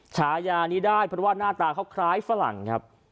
ฉายานี้ได้เพราะว่าหน้าตาเขาคล้ายฝรั่งครับ